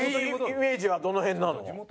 イメージはどの辺なの？